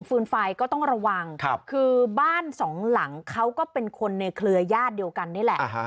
ืนไฟก็ต้องระวังคือบ้านสองหลังเขาก็เป็นคนในเครือญาติเดียวกันนี่แหละ